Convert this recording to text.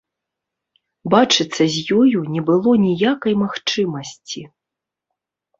Бачыцца з ёю не было ніякай магчымасці.